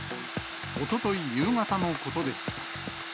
おととい夕方のことでした。